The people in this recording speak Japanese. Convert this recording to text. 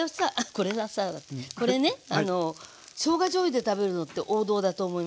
これがさこれねしょうがじょうゆで食べるのって王道だと思いません？